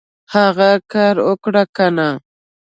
هغه کار اوکړه کنه !